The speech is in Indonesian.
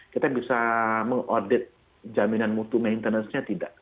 kita bisa mengaudit jaminan mutu maintenance nya tidak